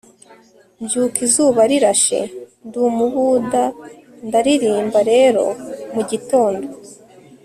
mbyuka izuba rirashe. ndi umubuda, ndaririmba rero mugitondo